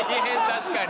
確かに。